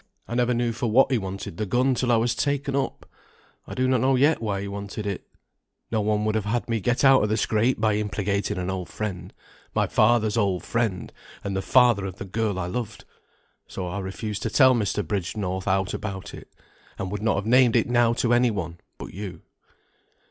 "I never knew for what he wanted the gun till I was taken up, I do not know yet why he wanted it. No one would have had me get out of the scrape by implicating an old friend, my father's old friend, and the father of the girl I loved. So I refused to tell Mr. Bridgenorth aught about it, and would not have named it now to any one but you."